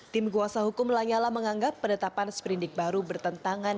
tim kuasa hukum lanyala menganggap penetapan seperindik baru bertentangan